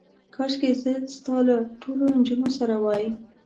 کاشکې ستا له ټولو نجونو سره وای.